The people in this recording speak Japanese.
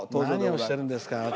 何をしてるんですか